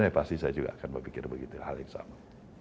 ya pasti saya juga akan berpikir begitu hal yang sama